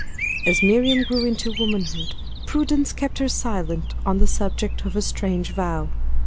As Miriam grew into womanhood prudence kept her silent on the subject of her strange vow.